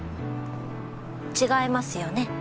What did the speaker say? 違いますよね？